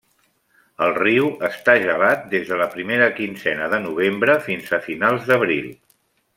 El riu està gelat des de la primera quinzena de novembre fins a finals d'abril.